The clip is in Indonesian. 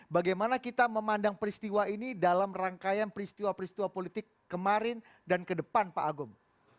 bagaimana kita memandang peristiwa ini dalam rangkaian peristiwa peristiwa politik kemarin dan ke depan pak agung